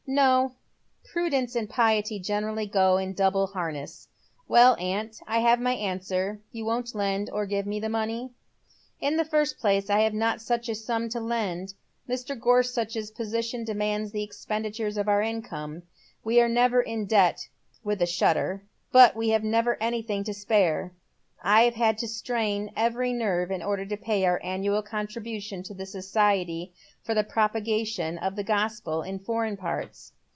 *' No, prudence and piety generally go in double harness. Well, aunt, I have my answer. You won't lend or give me the money ?" "In the first place, I have not such a sum to lend. Mr. Gorsucli's position demands the expenditure of our income. We are never in debt," with a shudder, " but we have never anything to spare. I had to strain every nerve in order to pay our annual contribution to the Society for the Propagation of the Gospel in Foreign Parts."